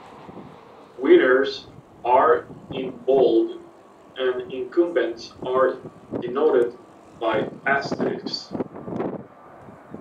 Winners are in bold and incumbents are denoted by asterisks.